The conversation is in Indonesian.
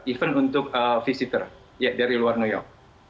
even untuk visitor dari luar new york